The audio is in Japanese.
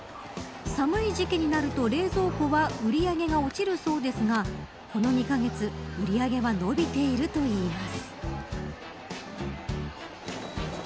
寒い時期になると冷蔵庫は売り上げが落ちるそうですがこの２カ月、売り上げは伸びているといいます。